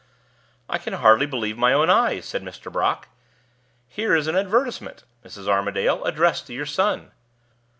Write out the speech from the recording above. "I can hardly believe my own eyes," said Mr. Brock. "Here is an advertisement, Mrs. Armadale, addressed to your son."